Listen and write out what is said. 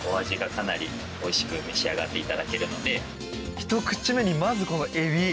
ひと口目にまずこのエビ。